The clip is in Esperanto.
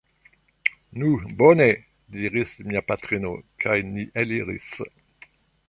Nu bone! diris mia patrino, kaj ni eliris.